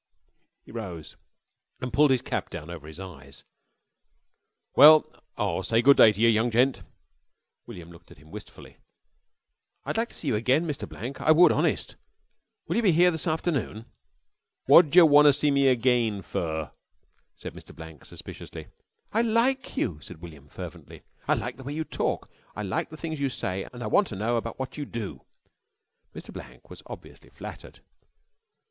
He rose and pulled his cap down over his eyes. "Well, I'll say good day to yer, young gent." William looked at him wistfully. "I'd like to see you again, Mr. Blank, I would, honest. Will you be here this afternoon?" "Wot d'yer want to see me agine fer?" said Mr. Blank suspiciously. "I like you," said William fervently. "I like the way you talk, and I like the things you say, and I want to know about what you do!" Mr. Blank was obviously flattered.